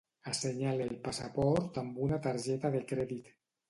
Assenyalo el passaport amb una targeta de crèdit.